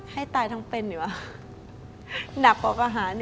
ให้ตายจะต้องเป็นหนักรอออาหาร